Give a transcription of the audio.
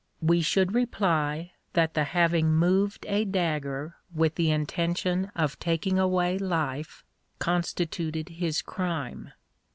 We should reply, that the having moved a dagger with the intention of taking away life, constituted his crime.